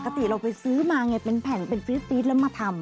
ปกติเราไปซื้อมาไงเป็นแผ่นเป็นฟีดแล้วมาทำ